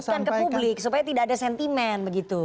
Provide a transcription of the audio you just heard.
teruskan ke publik supaya tidak ada sentimen begitu